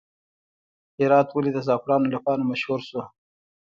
هرات ولې د زعفرانو لپاره مشهور شو؟